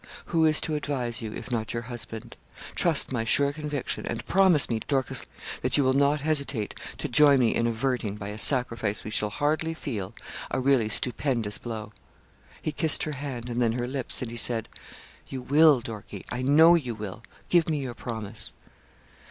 Who is to advise you, if not your husband? Trust my sure conviction, and promise me, Dorcas, that you will not hesitate to join me in averting, by a sacrifice we shall hardly feel, a really stupendous blow.' He kissed her hand, and then her lips, and he said 'You will, Dorkie, I know you will. Give me your promise.'